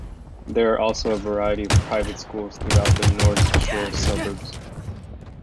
There are also a variety of private schools throughout the North Shore suburbs.